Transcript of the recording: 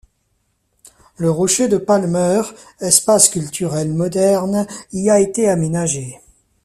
Le Rocher de Palmer, espace culturel moderne, y a été aménagé.